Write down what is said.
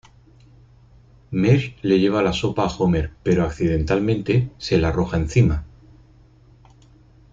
Marge le lleva sopa a Homer, pero accidentalmente se la arroja encima.